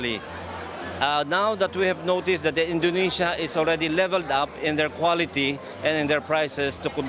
sekarang kita sudah perhatikan bahwa indonesia sudah berkembang dalam kualitas dan harganya